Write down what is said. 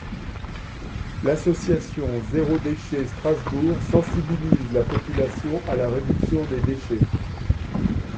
L'association Zéro déchet Strasbourg sensibilise la population à la réduction des déchets.